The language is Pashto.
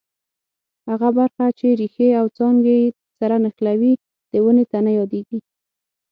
هغه برخه چې ریښې او څانګې سره نښلوي د ونې تنه یادیږي.